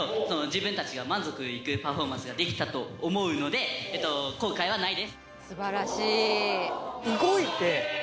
自分たちが満足いくパフォーマンスができたと思うので素晴らしい